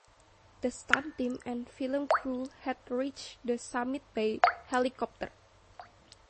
The stunt team and film crew had reached the summit by helicopter.